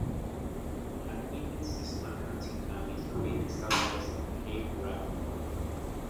An Inuit seasonal hunting camp is located southwest of Cape Graham Moore.